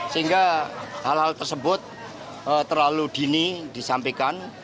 sehingga hal hal tersebut terlalu dini disampaikan